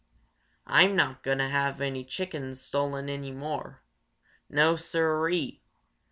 "I'm not going to have my chickens stolen any more! No, Sir e e!